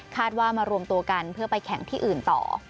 ว่ามารวมตัวกันเพื่อไปแข่งที่อื่นต่อ